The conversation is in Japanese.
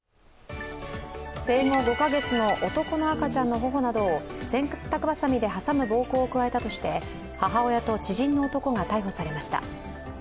生後５か月の男の赤ちゃんの頬などを洗濯ばさみで挟む暴行を加えたとして母親と知人の男が逮捕されました。